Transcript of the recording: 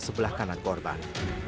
sebelah kanan korban